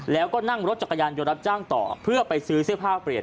แล้วก็นั่งรถจักรยานยนต์รับจ้างต่อเพื่อไปซื้อเสื้อผ้าเปลี่ยน